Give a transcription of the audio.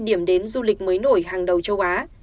điểm đến du lịch mới nổi hàng đầu châu á